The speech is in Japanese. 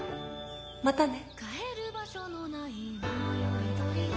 またね。